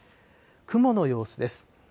雲の様子です。